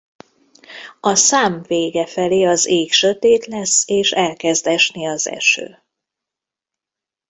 A szám vége felé az ég sötét lesz és elkezd esni az eső.